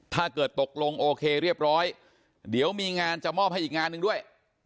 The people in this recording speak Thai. ถ้าเกิดตกลงโอเคเรียบร้อยเดี๋ยวมีงานจะมอบให้อีกงานหนึ่งด้วย